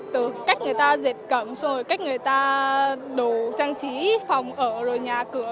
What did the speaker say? từ cách người ta dệt cẩm xong rồi cách người ta đổ trang trí phòng ở rồi nhà cửa